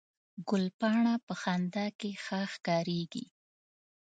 ګلپاڼه په خندا کې ښه ښکارېږي